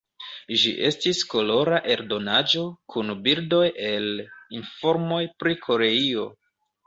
Ĝi estis kolora eldonaĵo kun bildoj el, informoj pri Koreio.